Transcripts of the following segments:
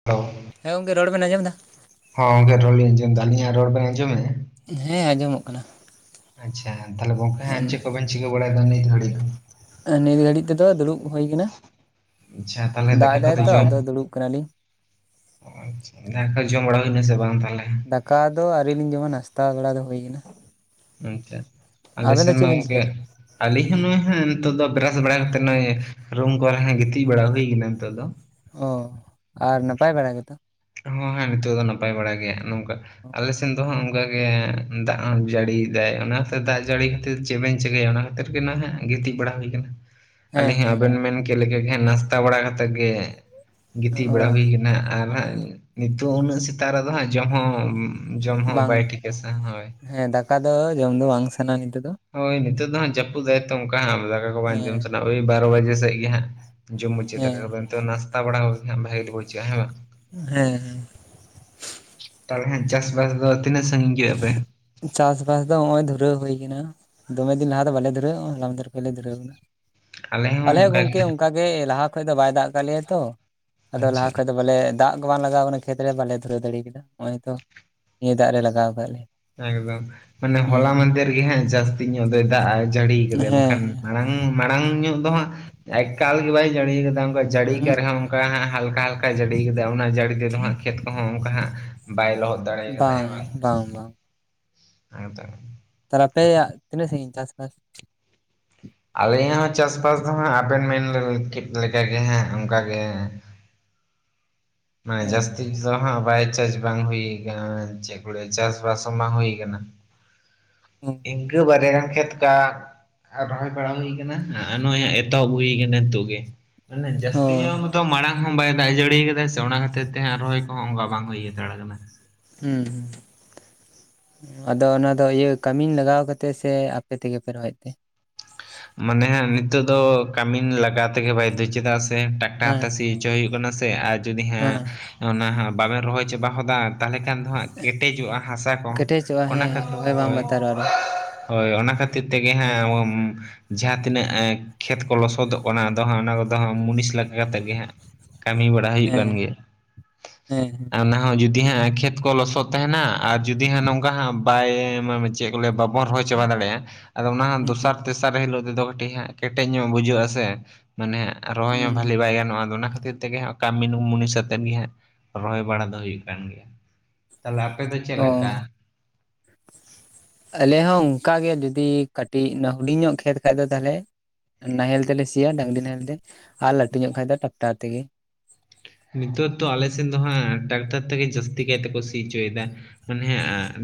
[unintelligible] ᱦᱮᱸ ᱜᱚᱝᱠᱮ ᱨᱚᱲ ᱵᱮᱱ ᱟᱸᱡᱚᱢᱮᱫᱟ ᱦᱚᱸ ᱜᱚᱝᱠᱮ ᱨᱚᱲ ᱞᱤᱧ ᱟᱸᱡᱚᱢᱮᱫᱟ ᱟᱹᱞᱤᱧᱟᱜ ᱨᱚᱲ ᱵᱮᱱ ᱟᱸᱡᱚᱢ ᱮᱫ ᱟ ᱦᱮᱸ ᱟᱸᱡᱚᱢᱚᱜ ᱠᱟᱱᱟ ᱟᱪᱪᱷᱟ ᱛᱟᱞᱦᱮ ᱜᱚᱝᱠᱮ ᱦᱟᱸᱜ ᱪᱮᱫ ᱠᱚᱵᱮᱱ ᱪᱤᱠᱟᱹ ᱵᱟᱲᱟᱭᱮᱫᱟ ᱱᱤᱛ ᱜᱷᱟᱹᱲᱤᱡ ᱫᱚ ᱱᱤᱛ ᱜᱷᱟᱹᱲᱤᱡ ᱛᱮᱫᱚ ᱫᱩᱲᱩᱵ ᱦᱩᱭ ᱠᱟᱱᱟ ᱟᱪᱪᱷᱟ ᱛᱟᱦᱚᱞᱮ ᱫᱟᱜ ᱫᱟᱠᱟ ᱮᱫᱟᱭ ᱠᱚᱫᱚ ᱛᱚ ᱡᱚᱢ ᱟᱫᱚ ᱫᱩᱲᱩᱵ ᱠᱟᱱᱟᱞᱤᱧ ᱟᱪᱪᱷᱟ ᱫᱟᱠᱟ ᱡᱚᱢ ᱵᱟᱲᱟ ᱦᱩᱭᱱᱟ ᱥᱮ ᱵᱟᱝ ᱛᱟᱦᱞᱮ ᱠᱟ ᱫᱚ ᱟᱹᱣᱨᱤᱞᱤᱧ ᱡᱚᱢᱟ ᱱᱟᱥᱛᱟ ᱵᱮᱲᱟ ᱫᱚ ᱦᱩᱭ ᱠᱟᱱᱟ ᱟᱪᱪᱷᱟ ᱟᱞᱮ ᱟᱵᱮᱱ ᱫᱚ ᱥᱮᱱ ᱪᱮᱫ ᱢᱟ ᱵᱮᱱ ᱜᱚᱝᱠᱮ ᱪᱤᱠᱟᱹᱭᱮᱫᱟ? ᱟᱞᱤᱧ ᱦᱚᱸ ᱱᱚᱜᱚᱭ ᱦᱟᱜ ᱱᱤᱛᱚᱜ ᱫᱚ ᱵᱮᱨᱟᱥ ᱵᱟᱲᱟ ᱠᱟᱛᱮ ᱱᱚᱜᱚᱭ ᱨᱩᱢ ᱠᱚᱨᱮ ᱦᱟᱜ ᱜᱤᱛᱤᱡ ᱵᱟᱲᱟ ᱦᱩᱭ ᱠᱟᱱᱟ ᱱᱤᱛᱚᱜ ᱫᱚ ᱚ ᱟᱨ ᱱᱟᱯᱟᱭ ᱵᱟᱲᱟ ᱜᱮᱛᱚ ᱦᱚᱸ ᱦᱮᱸ ᱱᱤᱛᱚᱜ ᱫᱚ ᱱᱟᱯᱟᱭ ᱵᱟᱲᱟ ᱜᱮ ᱱᱚᱝᱠᱟ ᱟᱞᱮᱥᱮᱱ ᱫᱚᱦᱟᱸᱜ ᱚᱝᱠᱟᱜᱮ ᱫᱟᱜ ᱡᱟᱹᱲᱤᱭᱮᱫᱟᱭ ᱚᱱᱟᱛᱮ ᱫᱟᱜ ᱡᱟᱹᱲᱤ ᱠᱷᱟᱹᱛᱤᱨ ᱪᱮᱫ ᱵᱤᱱ ᱪᱤᱠᱟᱹᱭᱟ ᱚᱱᱟ ᱠᱷᱟ. ᱛᱤᱨ ᱜᱮ ᱱᱟᱦᱟᱜ ᱜᱤᱛᱤᱡ ᱵᱟᱲᱟ ᱦᱩᱭ ᱠᱟᱱᱟ ᱦᱮᱸ ᱟᱹᱞᱤᱧ ᱦᱚᱸ ᱦᱮᱸ ᱟᱵᱮᱱ ᱢᱮᱱ ᱠᱮᱫ ᱞᱮᱠᱟ ᱜᱮ ᱦᱟᱜ ᱱᱟᱥᱛᱟ ᱵᱟᱲᱟ ᱠᱟᱛᱮ ᱜᱮ ᱜᱤᱛᱤᱡ ᱚ ᱵᱟᱲᱟ ᱦᱩᱭ ᱠᱟᱱᱟ ᱟᱨ ᱦᱟᱜ ᱱᱤᱛᱚᱜ ᱩᱱᱟᱹᱜ ᱥᱮᱛᱟᱜ ᱨᱮᱫᱚ ᱦᱟᱸᱜ ᱡᱚᱢ ᱦᱚᱸ ᱡᱚᱢ ᱦᱚᱸ ᱵᱟᱭ ᱴᱷᱤᱠᱟ ᱥᱮ ᱦᱚᱭ ᱠᱟ ᱫᱚ ᱡᱚᱢ ᱫᱚ ᱵᱟᱝ ᱥᱟᱱᱟ ᱱᱤᱛᱚᱜ ᱫᱚ ᱦᱳᱭ ᱱᱤᱛᱚᱜ ᱫᱚ ᱦᱟᱸᱜ ᱡᱟᱹᱯᱩᱫᱟᱭᱛᱚ ᱚᱱᱠᱟ ᱦᱟᱜ ᱫᱟᱠᱟ ᱠᱚ ᱵᱟᱝᱡᱚᱢ ᱦᱮᱸ ᱥᱟᱱᱟ ᱳᱭ ᱵᱟᱨᱚ ᱵᱟᱡᱮ ᱥᱮᱜ ᱜᱮ ᱦᱟᱸᱜ ᱡᱚᱢ ᱢᱩᱪᱟᱹᱫ ᱦᱮᱸ ᱫᱟᱠᱟ ᱠᱚ ᱱᱤᱛᱚᱜ ᱱᱟᱥᱛᱟ ᱵᱟᱲᱟ ᱦᱩᱭ ᱱᱟ ᱵᱷᱟᱹᱜᱤ ᱜᱮ ᱵᱩᱪ ᱠᱚᱜ-ᱟ ᱦᱮ ᱵᱟᱝ ᱦᱮᱸ ᱛᱟᱦᱞᱮ ᱪᱟᱥᱵᱟᱥ ᱫᱚ ᱛᱤᱱᱟᱹᱜ ᱥᱟᱺᱜᱤᱧ ᱠᱮᱜ-ᱟ ᱯᱮ ᱪᱟᱥᱵᱟᱥ ᱫᱚ ᱦᱚᱜ ᱚᱭ ᱫᱷᱩᱨᱟᱹᱣ ᱦᱩᱭ ᱠᱟᱱᱟ ᱫᱚᱢᱮ ᱫᱤᱱ ᱞᱟᱦᱟ ᱫᱚ ᱵᱟᱞᱮ ᱫᱷᱩᱨᱟᱹᱣᱚᱜ-ᱟ ᱦᱚᱞᱟ ᱢᱟᱫᱷᱮᱨ ᱠᱷᱚᱡ ᱞᱮ ᱫᱷᱩᱨᱟᱹᱣ ᱠᱟᱱᱟ ᱦᱚᱸ ᱟᱞᱮ ᱚᱱᱠᱟ ᱜᱮ ᱜᱚᱝᱠᱮ ᱦᱟᱸᱜ ᱚᱝᱠᱟᱜᱮ ᱞᱟᱦᱟ ᱠᱷᱚᱡ ᱫᱚ ᱵᱟᱭ ᱫᱟᱜ ᱠᱟᱜ ᱞᱮᱭᱟ ᱛᱚ ᱟᱫᱚ ᱞᱟᱦᱟ ᱟᱪᱪᱷᱟ ᱠᱷᱚᱡ ᱫᱚ ᱵᱚᱞᱮ ᱫᱟᱜ ᱜᱮ ᱵᱟᱝ ᱞᱟᱜᱟᱣ ᱠᱟᱱᱟ ᱠᱷᱮᱛ ᱨᱮ ᱵᱟᱞᱮ ᱫᱷᱩᱨᱟᱹᱣ ᱫᱟᱲᱮ ᱠᱟᱫᱟ ᱦᱚᱜ ᱚᱭ ᱛᱚ ᱱᱤᱭᱟᱹ ᱫᱟᱜ ᱨᱮ ᱞᱟᱜᱟᱣ ᱠᱟᱜ ᱞᱮ ᱮᱠᱫᱚᱢ ᱢᱟᱱᱮ ᱦᱚᱞᱟ ᱢᱟᱫᱮᱨ ᱜᱮ ᱦᱟᱜ ᱡᱟᱹᱥᱛᱤ ᱧᱚᱜ ᱫᱚᱭ ᱫᱟᱜ-ᱟ ᱡᱟᱹᱲᱤ ᱠᱟᱫᱟᱭ ᱦᱮᱸ ᱵᱟᱝᱠᱷᱟᱱ ᱦᱮᱸ ᱢᱟᱲᱟᱝ ᱢᱟ ᱢᱟᱲᱟᱝ ᱧᱚᱜ ᱫᱚ ᱦᱟᱸᱜ ᱮᱠᱟᱞ ᱜᱮ ᱵᱟᱭ ᱡᱟᱹᱲᱤ ᱠᱟᱫᱟ ᱡᱟᱹᱲᱤ ᱠᱟᱜ ᱩᱸᱦᱩᱜ ᱨᱮᱦᱚᱸ ᱚᱱᱠᱟ ᱦᱟᱜ ᱦᱟᱞᱠᱟ ᱦᱟᱞᱠᱟ ᱡᱟᱹᱲᱤ ᱠᱟᱫᱟ ᱚᱱᱟ ᱡᱟᱹᱲᱤ ᱛᱮᱫᱚ ᱦᱟᱸᱜ ᱠᱷᱮᱛ ᱠᱚᱦᱚᱸ ᱚᱝᱠᱟ ᱦᱟᱸᱜ ᱵᱟᱭ ᱞᱚᱦᱚᱫ ᱫᱟᱲᱮ ᱠᱟᱫᱟ ᱦᱮᱸ ᱵᱟᱝ? ᱵᱟᱝ ᱵᱟᱝ᱾ ᱮᱠᱫᱚᱢ᱾ ᱛᱟᱞᱦᱮ ᱟᱯᱮᱭᱟᱜ ᱛᱤᱱᱟᱹᱜ ᱥᱟᱹᱜᱤᱧ ᱪᱟᱥ ᱵᱟᱥ? ᱟᱞᱮᱭᱟᱜ ᱦᱚᱸ ᱪᱟᱥᱵᱟᱥ ᱫᱚ ᱦᱟᱸᱜ ᱟᱵᱮᱱ ᱢᱮᱱ ᱠᱮᱫ ᱞᱮᱠᱟᱜᱮ ᱦᱟᱸᱜ ᱚᱝᱠᱟᱜᱮ ᱢᱟᱱᱮ ᱚ ᱡᱟᱥ ᱛᱤ ᱫᱚ ᱦᱟᱸᱜ ᱵᱟᱭ ᱪᱟᱥ ᱵᱟᱝ ᱦᱩᱭᱩ ᱠᱟᱱᱟ, ᱪᱮᱫ ᱠᱚ ᱞᱟᱹᱭᱟ ᱪᱟᱥᱵᱟᱥ ᱦᱚᱸ ᱵᱟᱝ ᱦᱩᱭ ᱠᱟᱱᱟ᱾ ᱤᱝᱠᱟᱹ ᱵᱟᱨᱭᱟ ᱜᱟᱱ ᱠᱷᱮᱛ ᱠᱟ ᱟᱨ ᱨᱚᱦᱚᱭ ᱵᱟᱲᱟ ᱦᱩᱭ ᱠᱟᱱᱟ ᱟᱨ ᱱᱚᱜᱼᱚᱭ ᱦᱟᱸᱜ ᱮᱛᱚᱦᱚᱵ ᱦᱩᱭ ᱠᱟᱱᱟ ᱱᱤᱛᱚᱜ ᱜᱮ, ᱢᱟᱱᱮ ᱚ ᱡᱟᱹᱥᱛᱤ ᱧᱚᱜ ᱛᱚ ᱢᱟᱲᱟᱝ ᱦᱚᱸ ᱵᱟᱭ ᱫᱟᱜ ᱡᱟᱹᱲᱤ ᱠᱟᱫᱟᱭ ᱥᱮ ᱚᱱᱟ ᱠᱷᱟᱹᱛᱤᱨ ᱛᱮ ᱦᱟᱸᱜ ᱨᱚᱦᱚᱭ ᱠᱚᱦᱚᱸ ᱚᱝᱠᱟ ᱵᱟᱝ ᱦᱩᱭ ᱦᱟᱛᱟᱲ ᱠᱟᱱᱟ᱾ ᱦᱩᱸ ᱦᱩᱸ᱾ ᱟᱫᱚ ᱚᱱᱟ ᱫᱚ ᱤᱭᱟᱹ ᱠᱟᱹᱢᱤ ᱞᱟᱜᱟᱣ ᱠᱟᱛᱮᱜ ᱥᱮ ᱟᱯᱮ ᱛᱮᱜᱮ ᱯᱮ ᱨᱚᱦᱚᱭᱮᱫ ᱛᱮ? ᱢᱟᱱᱮ ᱦᱟᱸᱜ ᱱᱤᱛᱚᱜ ᱫᱚ ᱠᱟᱹᱢᱤᱱ ᱞᱟᱜᱟᱣ ᱛᱮᱜᱮ ᱵᱟᱭᱫᱫᱷᱚ ᱪᱮᱫᱟᱜ ᱥᱮ ᱴᱟᱠᱴᱟᱨ ᱦᱮᱸ ᱛᱮ ᱥᱤ ᱦᱚᱪᱚ ᱦᱩᱭᱩᱜ ᱠᱟᱱᱟ ᱥᱮ ᱟᱨ ᱡᱩᱫᱤ ᱦᱮᱸ ᱦᱟᱸᱜ ᱚᱱᱟ ᱵᱟᱞᱮ ᱨᱚᱦᱚᱭ ᱪᱟᱵᱟ ᱦᱚᱫᱟ ᱛᱟᱦᱚᱞᱮ ᱠᱷᱟᱱ ᱫᱚ ᱦᱟᱸᱜ ᱠᱮᱴᱮᱡᱚᱜᱼᱟ ᱦᱟᱥᱟ ᱠᱚ ᱠᱮᱴᱮᱡᱚᱜᱼᱟ ᱚᱱᱟ ᱦᱮᱸ ᱠᱷᱟᱹᱛᱤᱨ ᱨᱚᱦᱚᱭ ᱵᱟᱝ ᱦᱳᱭ, ᱵᱟᱛᱟᱨᱚᱜᱼᱟ ᱟᱨᱚ ᱦᱳᱭ ᱚᱱᱟ ᱠᱷᱟᱹᱛᱤᱨ ᱛᱮᱜᱮ ᱦᱮᱸ ᱦᱟᱸᱜ ᱡᱟᱦᱟᱸ ᱛᱤᱱᱟᱹᱜ ᱠᱷᱮᱛ ᱠᱚ ᱞᱚᱥᱚᱫᱚᱜ ᱠᱟᱱᱟ ᱟᱫᱚ ᱦᱟᱸᱜ ᱚᱱᱟ ᱠᱚᱫᱚᱜ ᱢᱩᱱᱤᱥ ᱞᱟᱜᱟᱣ ᱠᱟᱛᱮᱜ ᱜᱮ ᱦᱟᱸᱜ ᱠᱟᱹᱢᱤ ᱵᱟᱲᱟ ᱦᱩᱭᱩᱜ ᱠᱟᱱ ᱦᱮᱸ ᱜᱮᱭᱟ, ᱦᱮᱸ ᱦᱮᱸ ᱚᱱᱟ ᱦᱚᱸ ᱡᱩᱫᱤ ᱦᱟᱸᱜ ᱠᱷᱮᱛ ᱠᱚ ᱞᱚᱥᱚᱫ ᱛᱟᱦᱮᱸᱱᱟ, ᱟᱨ ᱡᱩᱫᱤ ᱦᱟᱸᱜ ᱱᱚᱝᱠᱟ ᱦᱟᱸᱜ ᱵᱟᱭ ᱪᱮᱫ ᱠᱚ ᱞᱮᱭᱟ ᱵᱟᱵᱚᱱ ᱨᱚᱦᱚᱭ ᱪᱟᱵᱟ ᱫᱟᱲᱮᱭᱟᱜᱼᱟ ᱟᱫᱚ ᱚᱱᱟ ᱫᱚᱥᱟᱨ ᱛᱮᱥᱟᱨ ᱦᱤᱞᱳᱜ ᱛᱮᱫᱚ ᱠᱟᱹᱴᱤᱡ ᱦᱟᱸᱜ ᱠᱮᱴᱮᱡ ᱧᱚᱜ ᱵᱩᱡᱷᱟᱹᱜᱼᱟ ᱥᱮ, ᱢᱟᱱᱮ ᱨᱚᱦᱚᱭ ᱦᱚᱸ ᱵᱷᱟᱹᱞᱮ ᱦᱩᱸ ᱵᱟᱭ ᱜᱟᱱᱚᱜᱼᱟ ᱟᱫᱚ ᱚᱱᱟ ᱠᱷᱟᱹᱛᱤᱨ ᱛᱮᱜᱮ ᱦᱟᱸᱜ ᱠᱟᱹᱢᱤᱱ ᱢᱩᱱᱤᱥ ᱟᱛᱮᱜ ᱜᱮ ᱦᱟᱸᱜ ᱨᱚᱦᱚᱭ ᱵᱟᱲᱟ ᱫᱚ ᱦᱩᱭᱩᱜ ᱠᱟᱱ ᱜᱮᱭᱟ᱾ ᱛᱟᱦᱚᱞᱮ ᱟᱯᱮ ᱫᱚ ᱪᱮᱫ ᱚ ᱞᱮᱠᱟ? ᱟᱞᱮ ᱦᱚᱸ ᱚᱱᱠᱟᱜᱮ ᱡᱩᱚᱫᱤ ᱠᱟᱹᱴᱤᱡ ᱦᱩᱰᱤᱧ ᱧᱚᱜ ᱠᱷᱮᱛ ᱠᱷᱟᱡ ᱫᱚ ᱛᱟᱦᱚᱞᱮ, ᱱᱟᱦᱮᱞ ᱛᱮᱞᱮ ᱥᱤᱭᱟ ᱰᱟᱝᱨᱤ ᱱᱟᱦᱮᱞ ᱛᱮ ᱟᱨ ᱞᱟᱹᱴᱩ ᱧᱚᱜ ᱠᱷᱟᱡ ᱫᱚ ᱴᱟᱠᱴᱟᱨ ᱛᱮᱜᱮ᱾ ᱱᱤᱛᱚᱜ ᱛᱚ ᱟᱞᱮ ᱥᱮᱱ ᱫᱚ ᱦᱟᱸᱜ ᱴᱨᱟᱠᱴᱟᱨ ᱛᱮᱜᱮ ᱡᱟᱹᱥᱛᱤ ᱠᱟᱭ ᱛᱮᱠᱚ ᱥᱤ ᱦᱚᱪᱚᱭᱫᱟ, ᱢᱟᱱᱮ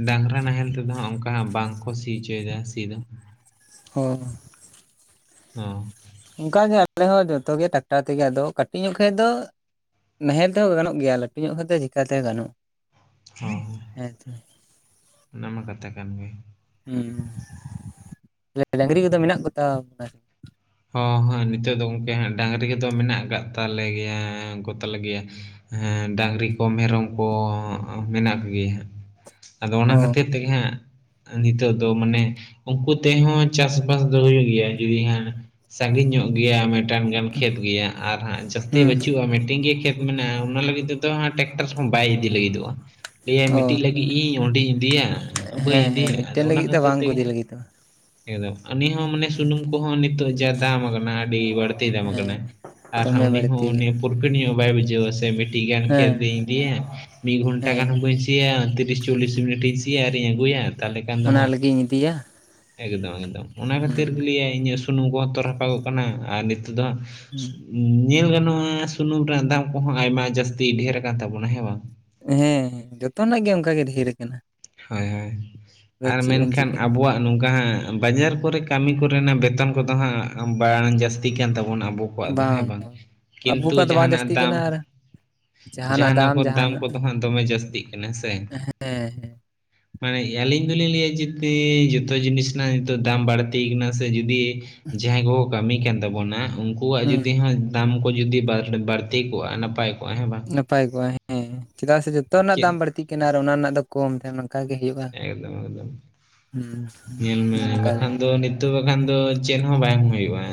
ᱰᱟᱝᱨᱟ ᱱᱟᱦᱮᱞ ᱛᱮᱫᱚ ᱦᱟᱸᱜ ᱚᱱᱠᱟ ᱵᱟᱝᱠᱚ ᱥᱤ ᱦᱚᱪᱚᱭᱫᱟ ᱥᱤ ᱫᱚ᱾ ᱦᱚᱸ᱾ ᱦᱩᱸ᱾ ᱚᱱᱠᱟᱜᱮ ᱟᱞᱮ ᱦᱚᱸ ᱡᱚᱛᱚᱮ ᱴᱟᱠᱴᱟᱨ ᱛᱮᱜᱮ ᱟᱫᱚ ᱠᱟᱹᱴᱤᱡ ᱧᱚᱜ ᱠᱷᱟᱡ ᱫᱚ ᱱᱟᱦᱮᱞ ᱛᱮᱦᱚᱸ ᱜᱟᱱᱚᱜ ᱜᱮᱭᱟ ᱞᱟᱹᱴᱩ ᱧᱚᱜ ᱠᱷᱮᱛ ᱫᱚ ᱪᱤᱠᱠᱟᱛᱮ ᱜᱟᱱᱚᱜᱼᱟ᱾ ᱦᱚᱸ ᱦᱮᱸᱛᱚ ᱚᱱᱟᱢᱟ ᱠᱟᱛᱷᱟ ᱠᱟᱱ ᱜᱮ᱾ ᱦᱩᱸ ᱛᱟᱦᱞᱮ ᱰᱟᱝᱨᱤ ᱠᱚᱫᱚ ᱢᱮᱱᱟᱜ ᱠᱚᱛᱟ ᱦᱳᱸ ᱦᱳᱸ ᱱᱤᱛᱚᱜ ᱫᱚ ᱜᱳᱝᱠᱮ ᱦᱟᱸᱜ ᱰᱟᱝᱨᱤ ᱠᱚᱫᱚ ᱢᱮᱱᱟᱜ ᱠᱟᱜ ᱛᱟᱞᱮ ᱜᱮᱭᱟ ᱠᱚᱛᱟᱞᱮ ᱜᱮᱭᱟ᱾ ᱦᱮᱸ ᱰᱟᱝᱨᱤ ᱠᱚ ᱢᱮᱨᱚᱢ ᱠᱚ ᱢᱮᱱᱟᱜ ᱠᱚᱜᱮᱭᱟ ᱦᱟᱸᱜ᱾ ᱟᱫᱚ ᱚᱱᱟ ᱚ ᱠᱷᱟᱹᱛᱤᱨ ᱛᱮᱜᱮ ᱦᱟᱸᱜ ᱱᱤᱛᱚᱜ ᱫᱚ ᱢᱟᱱᱮ ᱩᱱᱠᱩ ᱛᱮᱦᱚᱸ ᱪᱟᱥ-ᱵᱟᱥ ᱫᱚ ᱦᱩᱭᱩᱜ ᱜᱮᱭᱟ ᱡᱩᱫᱤ ᱦᱟᱸᱜ ᱥᱟᱺᱜᱤᱧ ᱧᱚᱜ ᱜᱮᱭᱟ ᱢᱤᱫᱴᱟᱝ ᱜᱟᱱ ᱠᱷᱮᱛ ᱜᱮᱭᱟ ᱟᱨ ᱦᱟᱸᱜ ᱡᱟᱹᱥᱛᱤ ᱦᱩᱸ ᱵᱟᱹᱪᱩᱜᱼᱟ ᱢᱤᱫᱴᱮᱱ ᱜᱮ ᱠᱷᱮᱛ ᱢᱮᱱᱟᱜᱼᱟ ᱚᱱᱟ ᱞᱟᱹᱜᱤᱫ ᱛᱮᱫᱚ ᱴᱨᱟᱠᱴᱟᱨ ᱦᱚᱸ ᱵᱟᱭ ᱤᱫᱤ ᱞᱟᱹᱜᱤᱫᱚᱜᱼᱟ᱾ ᱞᱟᱹᱭᱟᱧ ᱚ ᱢᱤᱫᱴᱤᱡ ᱞᱟᱹᱜᱤᱫ ᱤᱧ ᱚᱸᱰᱮᱧ ᱤᱫᱤᱭᱟ ᱵᱟᱹᱧ ᱦᱮᱸ ᱦᱮᱸ ᱤᱫᱤᱭᱟ ᱟᱫᱚ ᱢᱤᱫᱴᱮᱱ ᱚᱱᱟ ᱞᱟᱹᱜᱤᱫ ᱫᱚ ᱠᱷᱟᱹᱛᱤᱨ ᱵᱟᱝ ᱠᱚ ᱛᱮᱜᱮ ᱤᱫᱤ ᱦᱟᱸᱜ ᱞᱟᱹᱜᱤᱫᱚᱜ ᱮᱠᱫᱚᱢ ᱟᱱᱤ ᱦᱚᱸ ᱢᱟᱱᱮ ᱥᱩᱱᱩᱢ ᱠᱚᱦᱚᱸ ᱱᱤᱛᱚᱜ ᱡᱟ ᱫᱟᱢ ᱠᱟᱱᱟ ᱟᱹᱰᱤ ᱵᱟᱹᱲ ᱛᱤ ᱫᱟᱢ ᱦᱮᱸ ᱠᱟᱱᱟᱭ ᱟᱨ ᱫᱚᱢᱮ ᱩᱱᱤ ᱦᱚᱸ ᱵᱟᱹᱲᱛᱤ ᱩᱱᱤ ᱠᱟᱱᱟ ᱯᱨᱳᱯᱦᱮᱴ ᱧᱚᱜ ᱵᱟᱭ ᱵᱩᱡᱷᱟᱹᱣᱟ ᱥᱮ ᱢᱤᱫᱴᱤᱡ ᱜᱟᱱ ᱦᱮᱸ ᱠᱷᱮᱛᱤᱧ ᱤᱫᱤᱭᱮ ᱢᱤᱫ ᱜᱷᱚᱱᱴᱟ ᱜᱟᱱ ᱦᱮᱸ ᱦᱚᱸ ᱵᱟᱹᱧ ᱥᱤᱭᱟ ᱛᱤᱨᱤᱥ ᱪᱚᱞᱞᱤᱥ ᱢᱤᱱᱤᱴ ᱤᱧ ᱥᱤᱭᱟ ᱟᱨᱤᱧ ᱟᱹᱜᱩᱭᱟ ᱛᱟᱦᱚᱞᱮ ᱠᱷᱟᱱ ᱫᱚ ᱚᱱᱟ ᱦᱟᱸᱜ ᱞᱟᱹᱜᱤᱫ ᱤᱧ ᱤᱫᱤᱭᱟ ᱮᱠᱫᱚᱢ ᱮᱠᱫᱚᱢ ᱚᱱᱟ ᱦᱩᱸ ᱠᱷᱟᱹᱛᱤᱨ ᱜᱮ ᱞᱟᱹᱭᱟᱭ ᱤᱧᱟᱹᱜ ᱥᱩᱱᱩᱢ ᱠᱚᱦᱚᱸ ᱛᱚ ᱨᱟᱯᱟᱜᱼᱚᱜ ᱠᱟᱱᱟ ᱟᱨ ᱱᱤᱛᱚᱜ ᱫᱚ ᱦᱟᱸᱜ ᱦᱩᱸ ᱧᱮᱞ ᱜᱟᱱᱚᱜᱼᱟ ᱥᱩᱱᱩᱢ ᱨᱮᱱᱟᱜ ᱫᱟᱢ ᱠᱚᱦᱚᱸ ᱟᱭᱢᱟ ᱡᱟᱹᱥᱛᱤ ᱰᱷᱮᱨ ᱠᱟᱱ ᱛᱟᱵᱚᱱᱟ ᱦᱮᱸ ᱵᱟᱝ ᱦᱮᱸ ᱡᱚᱛᱚᱱᱟᱜ ᱜᱮ ᱚᱱᱠᱟᱜ ᱜᱮ ᱫᱷᱮᱨ ᱠᱟᱱᱟ ᱦᱳᱭ ᱦᱳᱭ ᱟᱨ ᱢᱮᱱᱠᱷᱟᱱ ᱪᱤᱠᱟᱹᱭᱟ ᱢᱟ ᱟᱵᱚᱣᱟᱜ ᱱᱚᱝᱠᱟ ᱦᱟᱸᱜ ᱵᱟᱡᱟᱨ ᱠᱚᱨᱮ ᱠᱟᱹᱢᱤ ᱠᱚᱨᱮᱱᱟᱜ ᱵᱮᱛᱚᱱ ᱠᱚᱫᱚ ᱦᱟᱸᱜ ᱵᱟᱝ ᱡᱟᱹᱥᱛᱤ ᱠᱟᱱ ᱛᱟᱵᱚᱱᱟ ᱟᱵᱚ ᱠᱚᱣᱟᱜ ᱫᱚ ᱦᱮᱸ ᱵᱟᱝ ᱟᱵᱚ ᱠᱤᱱᱛᱩ ᱠᱚᱣᱟᱜ ᱫᱚ ᱵᱟᱝ ᱡᱟᱦᱟᱱᱟᱜ ᱡᱟᱹᱥᱛᱤ ᱫᱟᱢ ᱠᱟᱱᱟ ᱟᱨ ᱡᱟᱦᱟᱱᱟᱜ ᱠᱚ ᱫᱟᱢ ᱠᱚᱫᱚ ᱦᱟᱸᱜ ᱫᱚᱢᱮ ᱡᱟᱹᱥᱛᱤᱜ ᱠᱟᱱᱟ ᱦᱮᱥᱮ ᱦᱮᱸ ᱦᱮᱸ ᱢᱟᱱᱮ ᱟᱞᱤᱧ ᱫᱚᱞᱤᱧ ᱞᱟᱹᱭᱟ ᱡᱮᱛᱮ ᱡᱚᱛᱚ ᱡᱤᱱᱤᱥ ᱨᱮᱱᱟᱜ ᱱᱤᱛᱚᱜ ᱫᱟᱢ ᱵᱟᱹᱲᱛᱤ ᱠᱟᱱᱟ ᱥᱮ ᱡᱩᱫᱤ ᱡᱟᱦᱟᱸᱭ ᱠᱚᱠᱚ ᱠᱟᱹᱢᱤ ᱠᱟᱱ ᱛᱟᱵᱚᱱᱟ ᱩᱱᱠᱩᱣᱟᱜ ᱡᱩᱫᱤ ᱦᱩᱸ ᱦᱚᱸ ᱫᱟᱢ ᱠᱚ ᱡᱩᱫᱤ ᱵᱟ. ᱵᱟᱹᱲᱛᱤ ᱠᱚᱜᱼᱟ ᱱᱟᱯᱟᱭ ᱠᱚᱜᱼᱟ ᱦᱮᱸ ᱵᱟᱝ ᱱᱟᱯᱟᱭ ᱠᱚᱜᱼᱟ ᱦᱮᱸ ᱪᱮᱫᱟᱜ ᱥᱮ ᱡᱚᱛᱚ ᱨᱮᱱᱟᱜ ᱪᱮᱫ ᱫᱟᱢ ᱵᱟᱹᱲᱛᱤᱜ ᱠᱟᱱᱟ ᱟᱨ ᱚᱱᱟ ᱨᱮᱱᱟᱜ ᱫᱚ ᱠᱚᱢ ᱛᱟᱦᱮᱸ ᱱᱚᱝᱠᱟ ᱜᱮ ᱦᱩᱭᱩᱜᱼᱟ ᱮᱠᱫᱚᱢ ᱮᱠᱫᱚᱢ ᱦᱩᱸ ᱧᱮᱞ ᱢᱮ ᱚᱱᱠᱟ ᱜᱮ ᱵᱟᱠᱷᱟᱱ ᱫᱚ ᱱᱤᱛ ᱛᱚ ᱵᱟᱠᱷᱟᱱ ᱫᱚ ᱪᱮᱫ ᱦᱚᱸ ᱵᱟᱝ ᱦᱩᱭᱩᱜᱼᱟ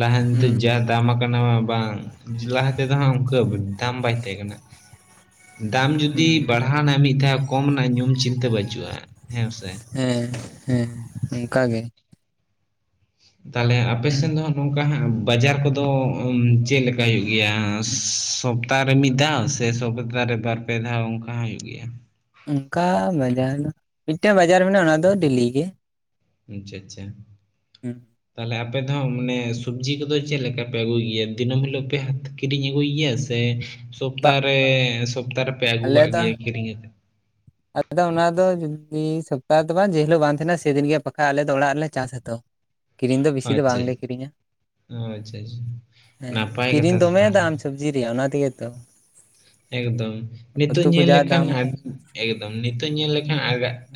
ᱞᱟᱦᱟᱱᱛᱤ ᱦᱩᱸ ᱡᱟ ᱫᱟᱢ ᱠᱟᱱᱟ ᱵᱟᱝ ᱞᱟᱦᱟᱛᱮ ᱫᱚ ᱦᱟᱸᱜ ᱚᱱᱠᱟ ᱫᱟᱢ ᱵᱟᱭ ᱛᱟᱦᱮᱸ ᱠᱟᱱᱟ ᱫᱟᱢ ᱡᱩᱫᱤ ᱦᱩᱸ ᱵᱟᱲᱦᱟᱣᱱᱟ ᱢᱤᱫ ᱫᱷᱟᱣ ᱠᱚᱢ ᱱᱟ ᱧᱩᱢ ᱪᱤᱱ ᱛᱟ. ᱵᱟ. ᱪᱩᱜᱼᱟ ᱦᱮᱸ ᱥᱮ ᱦᱮᱸ ᱦᱮᱸ ᱚᱝᱠᱟ ᱜᱮ ᱛᱟᱦᱚᱞᱮ ᱟᱯᱮ ᱥᱮᱱ ᱫᱚ ᱱᱚᱝᱠᱟ ᱦᱟᱸᱜ ᱵᱟᱡᱟᱨ ᱠᱚᱫᱚ ᱪᱮᱫ ᱞᱮᱠᱟ ᱠᱟ ᱦᱩᱭᱩᱜ ᱜᱮᱭᱟ ᱥᱚᱯ ᱛᱟ ᱨᱮ ᱢᱤᱫ ᱫᱷᱟᱣ ᱥᱮ ᱥᱚᱵᱛᱟ ᱨᱮ ᱵᱟᱨ ᱯᱮ ᱫᱷᱟᱣ ᱚᱱᱠᱟ ᱦᱚᱸ ᱦᱩᱭᱩᱜ ᱜᱤᱭᱟ ᱚᱱᱠᱟ ᱵᱟᱡᱟᱨ ᱫᱚ ᱢᱤᱫᱴᱮᱡ ᱵᱟᱡᱟᱨ ᱢᱮᱱᱟᱜᱼᱟ ᱚᱱᱟ ᱫᱚ ᱰᱮᱞᱤ ᱜᱮ ᱟᱪᱟ ᱪᱟ [unintelligible] ᱛᱟᱦᱚᱞᱮ ᱟᱯᱮ ᱫᱚ ᱦᱟᱸᱜ ᱢᱟᱱᱮ ᱥᱩᱵᱡᱤ ᱠᱚᱫᱚ ᱪᱮᱫ ᱞᱮᱠᱟ ᱯᱮ ᱟᱹᱜᱩᱭ ᱜᱮᱭᱟ ᱫᱤᱱᱟᱹᱢ ᱦᱤᱞᱳᱜ ᱯᱮ ᱦᱟᱛ ᱠᱤᱨᱤᱧ ᱟᱹᱜᱩᱭ ᱜᱮᱭᱟ ᱥᱮ ᱵᱟ ᱥᱚᱯᱛᱟ ᱨᱮ ᱥᱚᱯᱛᱟ ᱨᱮᱯᱮ ᱟᱹᱜᱩ ᱟᱞᱮ ᱠᱟᱜ ᱫᱚ ᱜᱮᱭᱟ ᱠᱤᱨᱤᱧ ᱠᱟᱛᱮ ᱟᱫᱚ ᱚᱱᱟ ᱫᱚ ᱡᱩᱫᱤ ᱥᱚᱯᱛᱟᱦᱚ ᱫᱚ ᱵᱟᱝ ᱡᱮ ᱦᱤᱞᱳᱜ ᱵᱟᱝ ᱛᱟᱦᱮᱱᱟ ᱥᱮᱫᱤᱱ ᱜᱮ ᱦᱟᱸᱜ ᱵᱟᱠᱷᱟᱡ ᱟᱞᱮ ᱫᱚ ᱚᱲᱟᱜ ᱨᱮᱞᱮ ᱪᱟᱥ-ᱟ ᱛᱚ ᱠᱤᱨᱤᱧ ᱫᱚ ᱵᱤᱥᱤ ᱫᱚ ᱵᱟᱝᱞᱮ ᱠᱤᱨᱤᱧᱟ ᱾ ᱚ ᱟᱪᱪᱷᱟ ᱟᱪᱪᱷᱟ ᱱᱟᱯᱟᱭ ᱠᱟᱛᱷᱟ ᱛᱚ ᱛᱟᱦᱞᱮ ᱡᱤ ᱨᱮᱭᱟᱜ ᱚᱱᱟ ᱛᱮᱜᱮ ᱛᱚ ᱮᱠᱫᱚᱢ ᱱᱤᱛᱳᱜ ᱩᱛᱩ ᱠᱚ ᱧᱮᱞ ᱡᱟ ᱞᱮᱠᱷᱟᱱ ᱫᱟᱢ ᱮᱠᱫᱚᱢ ᱱᱤᱛᱚᱜ ᱧᱮᱞ ᱞᱮᱠᱷᱟᱱ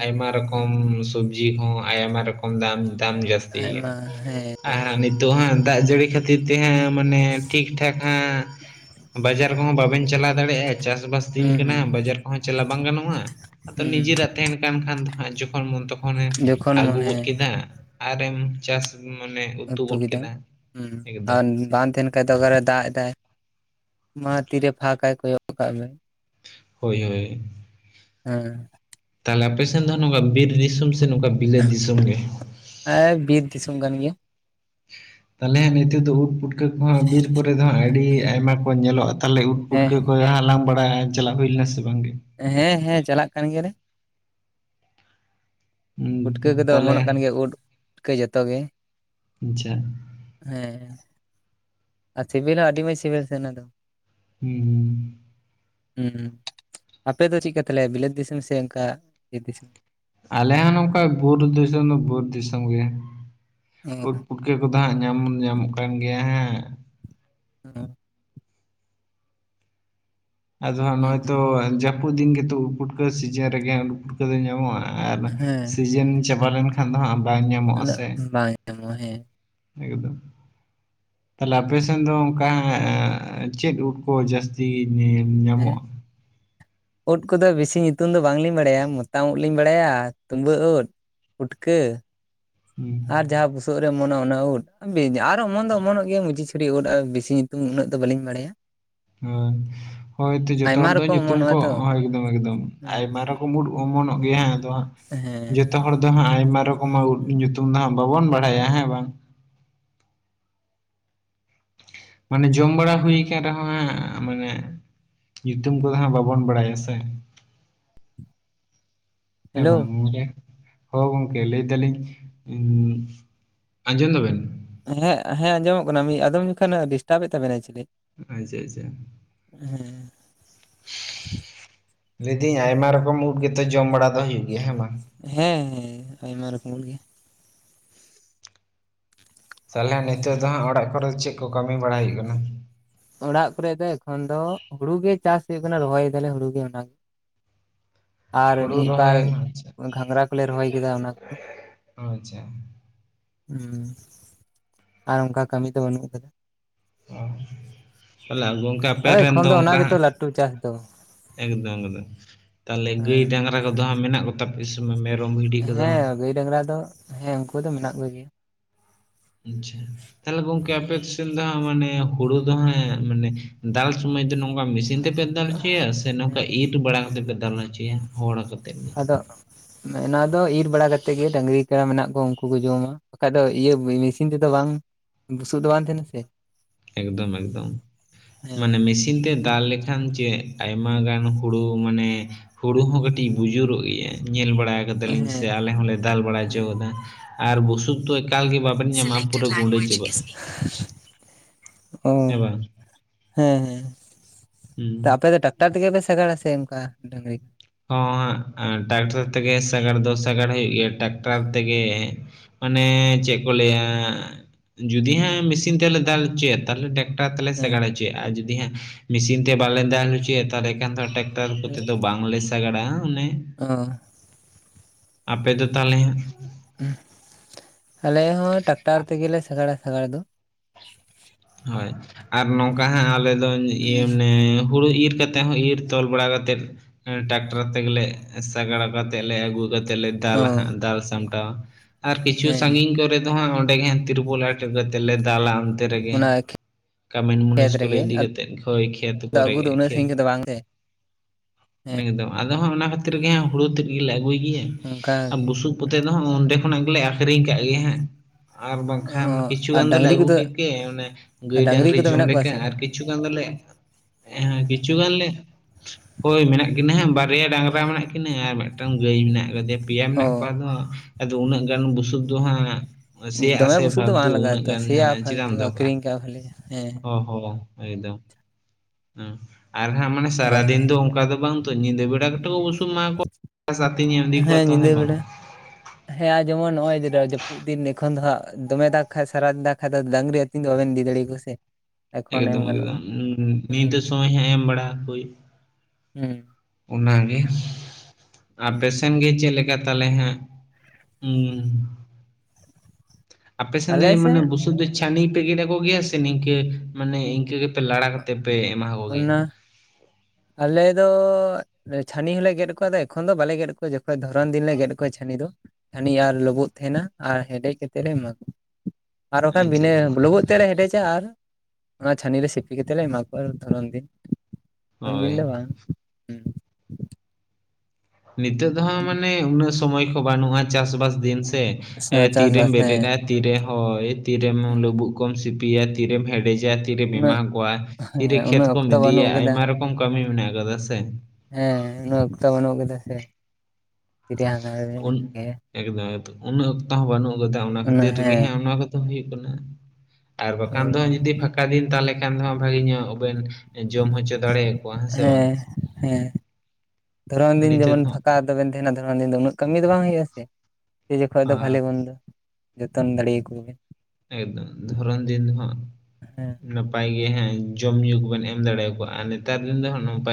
ᱦᱮᱸ ᱟᱭᱢᱟ ᱨᱚᱠᱚᱢ ᱦᱚᱸᱢ ᱥᱚᱵᱡᱤ ᱦᱚᱸ ᱟᱭᱢᱟ ᱨᱚᱠᱚᱢ ᱫᱟᱢ ᱫᱟᱢ ᱡᱟᱹᱥᱛᱤᱭ ᱟᱭᱢᱟ ᱠᱟᱱᱟ ᱦᱮᱸ ᱟ ᱱᱤᱛᱳᱜ ᱦᱟᱸᱜ ᱫᱟᱜ ᱡᱟᱹᱲᱤ ᱠᱷᱟᱹ ᱠᱷᱹᱛᱤᱨ ᱛᱮ ᱦᱟᱸᱜ ᱢᱟᱱᱮ ᱴᱷᱤᱠ ᱴᱷᱟᱠ ᱦᱟᱸᱜ ᱵᱟᱡᱟᱨ ᱦᱚᱸ ᱵᱟᱹᱧ ᱪᱟᱞᱟᱣ ᱫᱟᱲᱮᱜ-ᱟ ᱪᱟᱥᱵᱟᱥ ᱫᱤᱱ ᱦᱩᱸ ᱠᱟᱱᱟ ᱦᱩᱸ ᱵᱟᱡᱟᱨ ᱠᱚᱦᱚᱸ ᱪᱟᱞᱟᱣ ᱵᱟᱝ ᱜᱟᱱᱚᱜᱼᱟ ᱟᱫᱚ ᱦᱩᱸ ᱱᱤᱡᱮᱨᱟᱜ ᱛᱟᱦᱮᱱ ᱠᱟᱱ ᱠᱷᱟᱱ ᱫᱚ ᱦᱟᱸᱜ ᱡᱚᱠᱷᱚᱱ ᱢᱚᱱ ᱛᱚᱠᱷᱚᱱᱮᱢ ᱡᱚᱠᱷᱚᱱ ᱟᱹᱜᱩ ᱢᱚᱱᱮ ᱜᱚᱫ ᱠᱮᱫᱟ ᱦᱟᱸᱜ ᱟᱨᱮᱢ ᱪᱟᱥ ᱢᱟᱱᱮ ᱩᱛᱩ ᱜᱚᱫ ᱠᱮᱫᱟᱢ ᱠᱮᱫᱟ ᱦᱩᱸ ᱮᱠᱫᱚᱢ ᱟᱨ ᱵᱟᱝ ᱛᱟᱦᱮᱱ ᱠᱷᱟᱡ ᱫᱚ ᱚᱠᱟᱨᱮ ᱫᱟᱜ ᱮᱴᱫᱟᱭ ᱢᱟ ᱛᱤᱨᱮ ᱯᱷᱟᱠᱟᱭ ᱠᱚᱭᱚᱜ ᱠᱟᱜ ᱢᱮ ᱦᱳᱭ ᱦᱳᱭ ᱦᱮᱸ ᱛᱟᱦᱚᱞᱮ ᱟᱯᱮ ᱥᱮᱱ ᱫᱚ ᱦᱟᱸᱜ ᱱᱚᱝᱠᱟ ᱵᱤᱨ ᱫᱤᱥᱚᱢ ᱥᱮ ᱱᱚᱝᱠᱟ ᱵᱤᱞᱟᱹᱛ ᱫᱤᱥᱚᱢ ᱜᱮ ᱦᱮᱸ ᱵᱤᱨ ᱫᱤᱥᱚᱢ ᱠᱟᱱ ᱜᱮᱭᱟ ᱛᱟᱦᱚᱞᱮ ᱱᱤᱛᱚᱜ ᱫᱚ ᱩᱫ ᱯᱩᱴᱠᱟᱹ ᱠᱚᱦᱚᱸ ᱵᱤᱨ ᱠᱚᱨᱮ ᱫᱚ ᱦᱟᱸᱜ ᱟᱹᱰᱤ ᱟᱭᱢᱟ ᱠᱚ ᱧᱮᱞᱚᱜᱼᱟ ᱛᱟᱦᱚᱞᱮ ᱩᱫ ᱯᱩᱴᱠᱟᱹ ᱦᱮᱸ ᱠᱚ ᱜᱮ ᱦᱟᱞᱟᱝ ᱵᱟᱲᱟᱭ ᱪᱟᱞᱟ ᱦᱩᱭ ᱞᱮᱱᱟ ᱥᱮ ᱵᱟᱝ ᱜᱮ ᱦᱮᱸ ᱦᱮᱸ ᱪᱟᱞᱟᱜ ᱠᱟᱱ ᱜᱮᱭᱟ ᱞᱮ ᱾ ᱦᱩᱸ ᱯᱩᱴᱠᱟᱹ ᱠᱚᱫᱚ ᱛᱟᱦᱚᱞᱮ ᱚᱢᱚᱱᱚᱜ ᱠᱟᱱ ᱜᱮᱭᱟ ᱩᱫ ᱯᱩᱴᱠᱟᱹ ᱡᱚᱛᱚ ᱜᱮ ᱟᱪᱪᱷᱟ ᱦᱮᱸ ᱾ ᱟᱨ ᱥᱤᱵᱤᱞ ᱦᱚᱸ ᱟᱹᱰᱤ ᱢᱚᱡᱽ ᱥᱤᱵᱤᱞ ᱛᱟᱦᱮ ᱚᱱᱟ ᱫᱚ ᱾ ᱦᱩᱸ ᱾ ᱦᱩᱸ ᱟᱯᱮ ᱫᱚ ᱪᱤᱠᱠᱟ ᱛᱟᱞᱦᱮ ᱵᱤᱞᱟᱹᱛ ᱫᱤᱥᱚᱢ ᱥᱮ ᱚᱝᱠᱟ ᱵᱤᱨ ᱫᱤᱥᱚᱢ? ᱟᱞᱮ ᱦᱚᱸ ᱱᱚᱝᱠᱟ ᱵᱩᱨᱩ ᱫᱤᱥᱚᱢ ᱫᱚ ᱵᱩᱨᱩ ᱫᱤᱥᱚᱢ ᱜᱮ ᱚ ᱩᱫ ᱯᱩᱴ ᱠᱟᱹ ᱠᱚᱫᱚ ᱦᱟᱸᱜ ᱧᱟᱢ ᱧᱟᱢᱚᱜ ᱠᱟᱱ ᱜᱮᱭᱟ ᱦᱟᱸᱜ ᱾ [unintelligible] ᱟᱫᱚ ᱦᱟᱸᱜ ᱱᱚᱜᱼᱚᱭ ᱛᱚ ᱦᱩᱸ ᱡᱟᱹᱯᱩᱫ ᱫᱤᱱ ᱜᱮᱛᱚ ᱩᱫ ᱯᱩᱴᱠᱟᱹ ᱥᱤᱡᱮᱱ ᱨᱮᱜᱮ ᱩᱫ ᱯᱩᱴᱠᱟᱹ ᱫᱚ ᱧᱟᱢᱚᱜᱼᱟ ᱾ ᱟᱨ ᱦᱮᱸ ᱥᱤᱡᱮᱱ ᱪᱟᱵᱟ ᱞᱮᱱᱠᱷᱟᱱ ᱫᱚ ᱦᱟᱸᱜᱼᱼ ᱩᱱᱟᱹᱜ ᱵᱟᱭ ᱧᱟᱢᱚᱜᱼᱟ ᱦᱮᱸ ᱾ ᱮᱠᱫᱚᱢ, ᱛᱟᱦᱞᱮ ᱟᱯᱮ ᱥᱮᱱ ᱫᱚ ᱚᱱᱠᱟ ᱦᱟᱸ ᱪᱮᱫ ᱩᱫ ᱠᱚ ᱡᱟᱹᱥᱛᱤ ᱛᱤ [unintelligible] ᱦᱮᱸ ᱧᱟᱢᱚᱜᱼᱟ ᱾ ᱩᱫ ᱠᱚᱫᱚ ᱵᱮᱥᱤ ᱧᱩᱛᱩᱢ ᱫᱚ ᱵᱟᱝᱞᱤᱧ ᱵᱟᱲᱟᱭᱟ, ᱢᱚᱛᱟᱢ ᱩᱫ ᱞᱤᱧ ᱵᱟᱲᱟᱭᱟ ᱛᱩᱢᱵᱟᱹ ᱩᱫᱼᱼ ᱯᱩᱴᱠᱟᱹ ᱾ ᱦᱩᱸ ᱾ ᱟᱨ ᱡᱟᱦᱟᱸ ᱵᱩᱥᱟᱹᱜ ᱨᱮ ᱚᱢᱚᱱᱚᱜᱼᱚ ᱚᱱᱟ ᱩᱫ, ᱵᱮᱡ ᱟᱨ ᱚᱢᱚᱱ ᱫᱚ ᱚᱢᱚᱱᱚᱜ ᱜᱮᱭᱟ ᱢᱩᱪᱤ ᱪᱷᱩᱨᱤ ᱩᱫ ᱟᱨ ᱵᱮᱥᱤᱼᱼ ᱛᱩᱢ ᱩᱱᱟᱹᱜ ᱫᱚ ᱵᱟᱹᱞᱤᱧ ᱵᱟᱲᱟᱭᱟ ᱾ ᱦᱩᱸ ᱾ ᱦᱚᱭᱛᱳ ᱡᱚᱛᱚ ᱟᱭᱢᱟ ᱦᱚᱲ ᱫᱚ ᱨᱚᱠᱚᱢ ᱧᱩᱛᱩᱢ ᱚᱢᱚᱱᱚᱜᱼᱟ ᱠᱚᱜ, ᱛᱚ ᱮᱠᱫᱚᱢ ᱮᱠᱫᱚᱢ ᱦᱮᱸ ᱟᱭᱢᱟ ᱨᱚᱠᱚᱢ ᱩᱫ ᱚᱢᱚᱱᱚᱜ ᱜᱮᱭᱟ ᱦᱮᱸ ᱟᱫᱚ ᱦᱟᱸᱜᱼᱼ ᱦᱮᱸ ᱾ ᱡᱚᱛᱚ ᱦᱚᱲ ᱫᱚ ᱦᱟᱸᱜ ᱟᱭᱢᱟ ᱨᱚᱠᱚᱢᱟᱜ ᱩᱫ ᱧᱩᱛᱩᱢ ᱫᱚ ᱦᱟᱸᱜ ᱵᱟᱵᱚᱱ ᱵᱟᱲᱟᱭᱟ ᱦᱮᱸ ᱵᱟᱝ ᱾ ᱢᱟᱱᱮ ᱡᱚᱢ ᱵᱟᱲᱟ ᱦᱩᱭ ᱠᱟᱱ ᱨᱮᱦᱚᱸ ᱦᱟᱸᱜ ᱢᱟᱱᱮᱼᱼ ᱧᱩᱛᱩᱢ ᱠᱚᱫᱚ ᱦᱟᱸᱜ ᱵᱟᱵᱚᱱ ᱵᱟᱲᱟᱭᱟ ᱥᱮ ᱾ ᱦᱮ ᱦᱮᱞᱳ ᱵᱟᱝ ᱜᱚᱝᱠᱮ ᱾ ᱦᱚᱸ ᱜᱚᱝᱠᱮ ᱞᱟᱹᱭ ᱫᱟᱞᱤᱧ ᱾ ᱟᱸᱡᱚᱢ ᱫᱟᱵᱮᱱ? ᱦᱮᱸ ᱦᱮᱸ ᱟᱸᱡᱚᱢᱚᱜ ᱠᱟᱱᱟ ᱢᱤᱫ ᱟᱫᱚᱢ ᱡᱚᱠᱷᱚᱱ ᱰᱤᱥᱴᱟᱵᱮᱜ ᱛᱟᱵᱮᱱᱟ ᱪᱮᱞᱤ ᱾ ᱟᱪᱪᱷᱟ ᱟᱪᱪᱷᱟ ᱾ ᱞᱟᱹᱭᱫᱟᱹᱧ ᱟᱭᱢᱟ ᱨᱚᱠᱚᱢ ᱩᱫ ᱜᱮᱛᱚ ᱡᱚᱢ ᱵᱟᱲᱟ ᱫᱚ ᱦᱩᱭᱩᱜ ᱜᱮᱭᱟ ᱦᱮᱸ ᱵᱟᱝ ᱾ ᱦᱮᱸ ᱦᱮᱸ ᱟᱭᱢᱟ ᱨᱚᱠᱚᱢ ᱜᱮ ᱾ ᱛᱟᱞᱦᱮ ᱱᱤᱛᱚᱜ ᱫᱚ ᱦᱟᱸᱜ ᱚᱲᱟᱜ ᱠᱚᱨᱮ ᱪᱮᱫ ᱠᱚ ᱠᱟᱹᱢᱤ ᱵᱟᱲᱟᱭ ᱦᱩᱭᱩᱜ ᱠᱟᱱᱟ? ᱚᱲᱟᱜ ᱠᱚᱨᱮ ᱫᱚ ᱮᱠᱷᱚᱱ ᱫᱚ ᱦᱩᱲᱩ ᱜᱮ ᱪᱟᱥ ᱦᱩᱭᱩᱜ ᱠᱟᱱᱟ ᱨᱚᱦᱚᱭ ᱫᱟᱞᱮ ᱦᱩᱲᱩ ᱜᱮ ᱚᱱᱟ ᱾ ᱟᱨ ᱦᱩᱲᱩ ᱢᱤᱫᱵᱟᱨ ᱨᱚᱦᱚᱭ ᱟᱪᱪᱷᱟ ᱜᱷᱟᱸᱜᱨᱟ ᱠᱚᱞᱮ ᱨᱚᱦᱚᱭ ᱠᱮᱫᱟ ᱚᱱᱟ ᱠᱩ ᱾ ᱟᱪᱪᱷᱟ ᱩᱸ ᱟᱨ ᱚᱝᱠᱟ ᱠᱟᱹᱢᱤ ᱛᱚ ᱵᱟᱹᱱᱩᱜ ᱠᱟᱫᱟ ᱾ ᱚ ᱛᱟᱞᱦᱮ ᱜᱚᱝᱠᱮ ᱾ ᱟᱨᱮ ᱮᱠᱷᱚᱱ ᱫᱚ ᱚᱱᱟ ᱜᱮᱛᱚ ᱞᱟᱹᱴᱩ ᱪᱟᱥ ᱫᱚ ᱾ ᱮᱠᱫᱚᱢ ᱮᱠᱫᱚᱢ, ᱛᱟᱦᱞᱮ ᱜᱟᱹᱭ ᱦᱮᱸ ᱰᱟᱝᱨᱟ ᱠᱚᱫᱚ ᱦᱟᱸᱜ ᱢᱮᱱᱟᱜ ᱠᱚᱛᱟ ᱯᱮ ᱥᱮ ᱵᱟᱝ ᱢᱮᱨᱚᱢ ᱵᱷᱤᱰᱤ ᱠᱚᱫᱚ ᱦᱟᱸᱜ? ᱦᱮᱸ ᱜᱟᱹᱭ ᱰᱟᱝᱨᱟ ᱫᱚ ᱦᱮᱸ ᱩᱱᱠᱩ ᱫᱚ ᱢᱮᱱᱟᱜ ᱠᱚᱜᱮ ᱾ ᱟᱪᱪᱷᱟ ᱾ ᱛᱟᱦᱞᱮ ᱜᱚᱝᱠᱮ ᱟᱯᱮᱥᱮᱱ ᱫᱚ ᱦᱟᱸᱜ ᱢᱟᱱᱮ ᱦᱩᱲᱩ ᱫᱚ ᱦᱟᱸᱜ ᱢᱟᱱᱮ ᱫᱟᱞ ᱥᱚᱢᱚᱭ ᱫᱚ ᱱᱚᱝᱠᱟ ᱢᱮᱥᱤᱱᱼᱼ ᱠᱟᱛᱮ ᱯᱮ ᱫᱟᱞ ᱦᱚᱪᱚᱭᱟ ᱥᱮ ᱱᱚᱝᱠᱟ ᱦᱮᱸ ᱤᱨ ᱵᱟᱲᱟ ᱠᱟᱛᱮ ᱯᱮ ᱫᱟᱞ ᱦᱚᱪᱚᱭᱟ ᱦᱚᱲ ᱟᱛᱮ ᱾ ᱟᱫᱚ ᱚᱱᱟ ᱫᱚ ᱤᱨ ᱵᱟᱲᱟ ᱠᱟᱛᱮᱜ ᱜᱤ ᱰᱟᱝᱨᱤ ᱠᱟᱲᱟ ᱢᱮᱱᱟᱜ ᱠᱚᱣᱟ ᱩᱱᱠᱩ ᱠᱚ ᱡᱚᱢᱟ ᱾ ᱵᱟᱠᱷᱟᱡ ᱫᱚ ᱤᱭᱟᱹ ᱢᱮᱥᱤᱱ ᱛᱮᱫᱚ ᱵᱟᱝ ᱵᱩᱥᱩᱵ ᱫᱚ ᱵᱟᱝ ᱛᱟᱦᱮᱱᱟ ᱥᱮ ᱾ ᱮᱠᱫᱚᱢ ᱮᱠᱫᱚᱢ ᱢᱟᱱᱮ ᱢᱮᱥᱤᱼᱼ ᱤᱱ ᱛᱮ ᱫᱟᱞ ᱞᱮᱠᱷᱟᱱ ᱪᱮᱫ ᱟᱭᱢᱟ ᱜᱟᱱ ᱦᱩᱲᱩ ᱢᱟᱱᱮᱼᱼ ᱦᱩᱲᱩ ᱦᱚᱸ ᱠᱟᱹᱴᱤᱡ ᱵᱩᱡᱩᱨᱚᱜ ᱜᱮᱭᱟ ᱧᱮᱞ ᱵᱟᱲᱟ ᱠᱟᱫᱟᱞᱤᱧ ᱦᱮᱸ ᱥᱮ ᱟᱞᱮ ᱦᱚᱸ ᱞᱮ ᱫᱟᱞ ᱵᱟᱲᱟ ᱦᱚᱪᱚᱣ ᱦᱮᱸ ᱠᱟᱫᱟ, ᱟᱨ ᱵᱩᱥᱩᱵ ᱫᱚ ᱮᱠᱟᱞ ᱜᱮ ᱵᱟ ᱵᱮᱱ ᱧᱟᱢᱟ ᱯᱩᱨᱟᱹ ᱜᱩᱱᱰᱟᱹ ᱪᱟᱵᱟᱜ-ᱟ᱾ ᱚ, ᱵᱟᱝ ᱦᱮᱸ ᱦᱮᱸ᱾ ᱦᱩᱸ ᱛᱚ ᱟᱯᱮ ᱫᱚ ᱴᱟᱠᱴᱟᱨ ᱛᱮᱜᱮ ᱯᱮ ᱥᱟᱜᱟᱲᱟ ᱥᱮ ᱚᱝᱠᱟ ᱰᱟᱹᱝᱨᱤ? ᱚᱸᱻ ᱦᱟᱸᱜ ᱴᱟᱠᱴᱟᱨ ᱛᱮᱜᱮ ᱥᱟᱜᱟᱲ ᱫᱚ ᱥᱟᱜᱟᱲ ᱦᱩᱭᱩᱜ ᱜᱮᱭᱟ ᱴᱟᱠᱴᱟᱨ ᱛᱮᱜᱮ ᱢᱟᱱᱮ ᱪᱮᱫ ᱠᱚ ᱞᱟᱹᱭᱟ, ᱡᱩᱫᱤ ᱦᱟᱸᱜ ᱢᱮᱥᱤᱱ ᱛᱮᱞᱮ ᱫᱟᱞ ᱦᱚᱪᱚᱭᱟ ᱛᱟᱦᱚᱞᱮ ᱴᱮᱠ ᱴᱟᱨ ᱛᱮᱞᱮ ᱥᱟᱜᱟᱲ ᱦᱮᱸ ᱦᱚᱪᱚᱭᱮᱜ-ᱟ ᱟᱨ ᱡᱩᱫᱤ ᱦᱟᱸᱜ, ᱢᱮᱥᱤᱱ ᱛᱮ ᱵᱟᱞᱮ ᱫᱟᱞ ᱦᱩᱪᱩᱭᱟ ᱛᱟᱦᱚᱞᱮ ᱠᱷᱟᱱ ᱫᱚ ᱴᱟᱠ ᱴᱟᱨ ᱠᱚᱛᱮ ᱫᱚ ᱵᱟᱝᱞᱮ ᱥᱟᱜᱟᱲᱟᱜᱼᱟ, ᱚᱱᱮ ᱚᱸᱻ᱾ ᱟᱯᱮ ᱫᱚ ᱛᱟᱦᱚᱞᱮ ᱦᱟᱸᱜ? ᱟᱞᱮ ᱦᱚᱸ ᱴᱟᱠᱴᱟᱨ ᱛᱮᱜᱮᱞᱮ ᱥᱟᱜᱟᱲᱟ ᱥᱟᱜᱟᱲ ᱫᱚ᱾ ᱦᱚᱭ, ᱟᱨ ᱱᱚᱝᱠᱟ ᱦᱟᱸᱜ ᱟᱞᱮ ᱫᱚ ᱤᱭᱟᱹ ᱢᱟᱱᱮ ᱦᱩᱲᱩ ᱤᱨ ᱠᱟ ᱛᱮ ᱦᱚᱸ ᱤᱨ ᱛᱚᱞ ᱵᱟᱲᱟ ᱠᱟᱛᱮ, ᱮᱸ ᱴᱟᱠᱴᱟᱨ ᱛᱮᱜᱮᱞᱮ ᱥᱟᱜᱟᱲ ᱠᱟᱛᱮᱞᱮ ᱟᱹᱜᱩ ᱠᱟ ᱛᱮᱞᱮ ᱚ ᱫᱟᱞᱟ ᱦᱟᱸᱜ ᱫᱟᱞ ᱥᱟᱢᱴᱟᱣᱟ, ᱟᱨ ᱠᱤᱪᱷᱩ ᱦᱮᱸ ᱥᱟᱺᱜᱤᱧ ᱠᱚᱨᱮ ᱫᱚ ᱦᱟᱸᱜ ᱚᱸᱰᱮ ᱜᱮ ᱦᱟᱸᱜ ᱛᱤᱨᱯᱳᱞ ᱟᱴᱮᱛ ᱠᱟᱛᱮ ᱞᱮ ᱫᱟᱞᱟ ᱚᱱᱛᱮ ᱨᱮᱜᱮ᱾ ᱚᱱᱟ ᱠᱟᱢᱤᱱ ᱢᱩᱱᱤᱥ ᱠᱷᱮᱛ ᱠᱚᱞᱮ ᱨᱮᱜᱮ ᱤᱫᱤ ᱠᱟᱛᱮ ᱦᱳᱭ ᱠᱷᱮᱛ ᱟᱫᱚ ᱠᱚᱨᱮ ᱟᱹᱜᱩ ᱜᱮ ᱫᱚ ᱩᱱᱟᱹᱜ ᱠᱷᱮᱛ, ᱥᱟᱺᱜᱤᱧ ᱠᱚᱫᱚ ᱵᱟᱝ ᱥᱮ ᱦᱮᱸ ᱱᱮᱠᱫᱚᱢ ᱟᱫᱚ ᱦᱟᱸᱜ ᱚᱱᱟ ᱠᱷᱟᱹᱛᱤᱨ ᱜᱮ ᱦᱟᱸᱜ ᱦᱩᱲᱩ ᱛᱮᱫ ᱜᱮᱞᱮ ᱟᱹᱜᱩᱭ ᱜᱮᱭᱟ᱾ ᱚᱱᱠᱟ ᱟ ᱜᱮ ᱵᱩᱥᱩᱵ ᱯᱚᱛᱮ ᱫᱚ ᱦᱟᱸᱜ ᱚᱸᱰᱮ ᱠᱷᱚᱱᱟᱜ ᱜᱮᱞᱮ ᱟᱠᱷᱨᱤᱧ ᱠᱟᱜ ᱜᱮ ᱦᱟᱸᱜ᱾ ᱟᱨ ᱵᱟᱝᱠᱷᱟᱱ ᱚ ᱠᱤᱪᱷᱩ ᱟᱨ ᱜᱟᱱ ᱫᱚᱞᱮ ᱰᱟᱝᱨᱤ ᱟᱹᱜᱩ ᱠᱚᱫᱚ ᱠᱮᱫ ᱜᱮ ᱚᱱᱮ ᱜᱟᱹᱭ ᱰᱟᱝᱨᱤ ᱰᱟᱹᱝᱨᱤ ᱠᱚᱫᱚ ᱡᱚᱢ ᱢᱮᱱᱟᱜ ᱠᱚᱣᱟ ᱞᱮᱠᱟ ᱥᱮ ᱟᱨ ᱵᱟᱝ ᱠᱤᱪᱷᱩ ᱜᱟᱱ ᱫᱚᱞᱮ, ᱦᱮᱸ ᱠᱤᱪᱷᱩ ᱜᱟᱱ ᱞᱮ ᱦᱳᱭ ᱢᱮᱱᱟᱜ ᱠᱤᱱᱟᱹ ᱦᱟᱸᱜ ᱵᱟᱨᱭᱟ ᱰᱟᱝᱨᱟ ᱢᱮᱱᱟᱜ ᱠᱤᱱᱟᱹ ᱟᱨ ᱢᱤᱫᱴᱟᱝ ᱜᱟᱹᱭ ᱢᱮᱱᱟᱜ ᱠᱟᱫᱮᱭᱟ ᱯᱮᱭᱟ ᱚ ᱢᱮᱱᱟᱜ ᱠᱚᱣᱟ ᱫᱚ, ᱟᱫᱚ ᱩᱱᱟᱹᱜ ᱜᱟᱱ ᱵᱩᱥᱩᱵ ᱫᱚ ᱦᱟᱸᱜ ᱥᱮᱭᱟᱜ ᱫᱚᱢᱮ ᱟᱥᱮ ᱵᱩᱥᱩᱵ ᱫᱚ ᱯᱷᱟᱞᱛᱩ ᱵᱟᱝ ᱞᱟᱜᱟᱜ-ᱟ ᱩᱱᱟᱹᱜ ᱛᱚ ᱜᱟᱱ ᱥᱮᱭᱟᱜ-ᱟ ᱦᱟᱸᱜ ᱯᱷᱟᱞᱛᱩ ᱟᱠᱷᱨᱤᱧ ᱠᱟᱜ ᱵᱷᱟᱞᱮᱭᱟ ᱦᱮᱸ᱾ ᱚ ᱦᱚ ᱮᱠᱫᱚᱢ, ᱟᱨ ᱱᱟᱦᱟᱜ ᱢᱟᱱᱮ ᱚ ᱥᱟᱨᱟ ᱫᱤᱱ ᱫᱚ ᱚᱝᱠᱟ ᱫᱚ ᱵᱟᱝ ᱛᱚ ᱧᱤᱫᱟᱹ ᱵᱮᱲᱟ ᱜᱮ ᱛᱚ ᱵᱩᱥᱩᱵᱯ ᱢᱟ ᱠᱚ [inaudible] ᱦᱮᱸ ᱧᱤᱫᱟᱹ ᱵᱮᱲᱟ, ᱦᱮᱸ ᱟᱨ ᱡᱮᱢᱚᱱ ᱱᱚᱜ-ᱚᱭ ᱡᱮ ᱫᱟᱜ ᱡᱟᱯᱩᱛ ᱯᱩᱜ ᱫᱤᱱ ᱮᱠᱷᱚᱱ ᱫᱚ ᱦᱟᱸᱜ ᱫᱚᱢᱮ ᱫᱟᱜ ᱠᱷᱟᱡ ᱥᱟᱨᱟ ᱫᱤᱱ ᱫᱟᱜ ᱠᱷᱟᱡ ᱫᱚ ᱰᱟᱝᱨᱤ ᱟᱹᱛᱤᱧ ᱫᱚ ᱵᱟᱵᱮᱱ ᱤᱫᱤ ᱫᱟᱲᱮᱭᱟᱠᱚ ᱥᱮ᱾ ᱮᱠᱷᱚᱱ ᱮᱢ ᱮᱠᱫᱚᱢ ᱜᱟᱱᱚᱜᱼᱟ ᱮᱠᱫᱚᱢ ᱦᱩᱸ ᱧᱤᱫᱟᱹ ᱥᱚᱢᱚᱭ ᱦᱚᱸ ᱮᱢ ᱵᱟᱲᱟ ᱟᱠᱚ ᱦᱳᱭ ᱦᱩᱸ᱾ ᱚᱱᱟ ᱜᱮ, ᱦᱩᱸ ᱟᱯᱮ ᱥᱮᱱ ᱜᱮ ᱪᱮᱫ ᱞᱮᱠᱟ ᱛᱟᱦᱚᱞᱮ ᱦᱮᱸᱜ? ᱩᱸᱻ᱾ ᱟᱯᱮ ᱥᱮᱱ ᱫᱚ ᱟᱞᱮ ᱥᱮᱫ ᱢᱟᱱᱮ ᱵᱩᱥᱩᱵ ᱫᱚᱪᱷᱟᱱᱤ ᱯᱮ ᱜᱮᱫ ᱟᱠᱚ ᱜᱮᱭᱟ ᱥᱮ ᱱᱤᱝᱠᱟᱹ ᱢᱟᱱᱮ ᱤᱝᱠᱟᱹ ᱜᱮᱯᱮ ᱞᱟᱲᱟ ᱠᱟᱛᱮᱫ ᱯᱮ ᱮᱢᱟ ᱠᱚ ᱜᱮᱭᱟ? ᱚᱱᱟ ᱟᱞᱮ ᱫᱚ ᱪᱷᱟᱹᱱᱤ ᱦᱚᱸ ᱞᱮ ᱜᱮᱫ ᱟᱠᱚᱣᱟ ᱟᱫᱚ ᱮᱠᱷᱚᱱ ᱫᱚ ᱵᱟᱞᱮ ᱜᱮᱫ ᱟᱠᱚᱣᱟ ᱡᱚᱠᱷᱚᱡ ᱫᱷᱚᱨᱚᱱ ᱫᱤᱱ ᱞᱮ ᱜᱮᱫ ᱟᱠᱚᱣᱟ ᱪᱷᱟᱹᱱᱤ ᱫᱚ᱾ ᱪᱷᱟᱹᱱᱤ ᱟᱨ ᱞᱳᱵᱳᱜ ᱛᱟᱦᱮ ᱱᱟ ᱟᱨ ᱦᱮᱰᱮᱡ ᱠᱟᱛᱮ ᱞᱮ ᱮᱢᱟ ᱠᱚ, ᱟᱨ ᱵᱟᱠᱷᱟᱱ ᱟᱪᱪᱷᱟ ᱵᱤᱱᱟᱹ ᱟᱪᱪᱷᱟ ᱞᱳᱵᱳᱜ ᱛᱮᱞᱮ ᱦᱮᱰᱮᱡᱟ ᱟᱨ ᱚᱱᱟ ᱪᱷᱟᱹᱱᱤ ᱨᱮ ᱥᱤᱯᱤ ᱠᱟᱛᱮ ᱞᱮ ᱮᱢᱟ ᱠᱚᱣᱟ ᱫᱷᱚᱨᱚᱱ ᱫᱤᱱ᱾ ᱦᱳᱭ [inaudible] ᱦᱩᱸ ᱱᱤᱛᱚᱜ ᱫᱚ ᱦᱟᱸᱜ ᱦᱩᱸ ᱢᱟᱱᱮ ᱩᱱᱟᱹᱜ ᱥᱚᱢᱚᱭ ᱠᱚ ᱵᱟᱱᱩᱜᱼᱟ ᱪᱟᱥ ᱵᱟᱥ ᱫᱤᱱ ᱥᱮ᱾ ᱮᱸ ᱥᱮ- ᱛᱤ ᱨᱮᱢ ᱪᱟᱥᱵᱟᱥ ᱦᱮᱸ ᱵᱮᱨᱮᱫ-ᱟ ᱛᱤᱨᱮ ᱦᱚᱭ ᱛᱤ ᱨᱮᱢ ᱦᱩᱸ ᱞᱩᱵᱩᱜ ᱠᱚᱢ ᱥᱤᱯᱤᱭᱟ ᱛᱤ ᱨᱮᱢ ᱦᱮᱰᱮᱡᱟ ᱛᱤ ᱨᱮᱢ ᱮᱢᱟ ᱩᱱᱟᱹᱜ ᱠᱚᱣᱟ ᱛᱤᱨᱮ ᱦᱮᱸ ᱠᱷᱮᱛ ᱩᱱᱟᱹᱜ ᱠᱚᱢ ᱚᱠᱛᱚ ᱤᱫᱤᱭᱟ ᱵᱟᱹᱱᱩᱜ ᱠᱟᱫᱟ ᱟᱭᱢᱟ ᱨᱚᱠᱚᱢ ᱠᱟᱹᱢᱤ ᱢᱮᱱᱟᱜ ᱠᱟᱫᱟ ᱥᱮ᱾ ᱦᱮᱸ ᱩᱱᱟᱹᱜ ᱚᱠᱛᱚ ᱵᱟᱹᱱᱩᱜ ᱠᱟᱫᱟ ᱥᱮ, ᱩᱱ [inaudible] ᱮᱠᱫᱚᱢ [inaudible] ᱩᱱᱟᱹᱜ ᱚᱠᱛᱚ ᱦᱚᱸ ᱵᱟᱹᱱᱩᱜ ᱠᱟᱫᱟ ᱚᱱᱟ ᱩᱱᱟᱹᱜ ᱠᱷᱟᱹᱛᱤᱨ ᱜᱮ ᱦᱮᱸ ᱦᱟᱸᱜ ᱚᱱᱟ ᱠᱚᱫᱚ ᱦᱩᱭᱩᱜ ᱠᱟᱱᱟ᱾ ᱟᱨ ᱵᱟᱠᱷᱟᱱ ᱦᱳᱭ ᱫᱚᱸ ᱦᱳᱭ ᱡᱩᱫᱤ ᱯᱷᱟᱸᱠᱟ ᱫᱤᱱ ᱛᱟᱦᱚᱞᱮ ᱠᱷᱟᱱ ᱫᱚ ᱵᱷᱟᱜᱤ ᱧᱚᱜᱵᱮᱱ ᱡᱚᱢ ᱦᱚᱪᱚ ᱫᱟᱲᱮᱜ ᱦᱮᱸ ᱦᱮᱸ ᱫᱷᱚᱨᱚᱱ ᱫᱤᱱ ᱱᱤᱛᱚᱜ ᱡᱮᱢᱚᱱ ᱫᱚ ᱯᱷᱟᱸᱠᱟ ᱟ ᱫᱚᱵᱮᱱ ᱛᱟᱦᱮᱱᱟ ᱫᱷᱚᱨᱚ ᱫᱚ ᱩᱱᱟᱹᱜ ᱠᱟᱹᱢᱤ ᱫᱚ ᱵᱟᱝ ᱦᱩᱭᱩᱜ ᱟᱥ ᱥᱮ ᱡᱚᱠᱷᱚᱱ ᱫᱚ ᱵᱷᱟᱞᱤ ᱦᱟᱸᱜ ᱵᱚᱱᱫᱚ ᱡᱚᱛᱚᱱ ᱫᱟᱲᱮᱭᱟᱠᱚ ᱵᱮᱱ᱾ ᱮᱠᱫᱚᱢ ᱫᱷᱚᱨᱚᱱ ᱫᱤᱱ ᱫᱚ ᱦᱟᱸᱜ ᱢᱟ ᱦᱮᱸ ᱱᱟᱯᱟᱭ ᱜᱮ ᱦᱮᱸ ᱡᱚᱢᱼᱧᱩ ᱠᱚᱵᱮᱱ ᱮᱢ ᱫᱟᱲᱮᱭᱟᱣᱟ ᱟᱨ ᱱᱮᱛᱟᱨ ᱫᱤᱱ ᱫᱚᱜ ᱱᱚᱝ ᱠᱟ